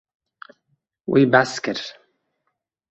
Wî behs kir.